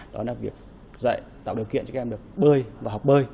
đó là việc dạy tạo điều kiện cho các em được bơi và học bơi